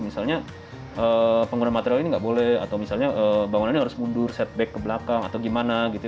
misalnya pengguna material ini nggak boleh atau misalnya bangunannya harus mundur setback ke belakang atau gimana gitu